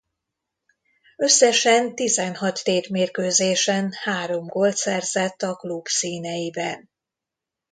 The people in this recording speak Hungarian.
Összesen tizenhat tétmérkőzésen három gólt szerzett a klub színeiben.